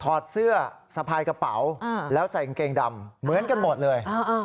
อดเสื้อสะพายกระเป๋าแล้วใส่กางเกงดำเหมือนกันหมดเลย